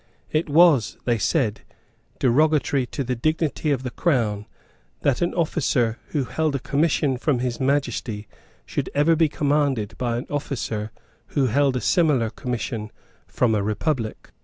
It was, they said, derogatory to the dignity of the Crown, that an officer who held a commission from His Majesty should ever be commanded by an officer who held a similar commission from a republic.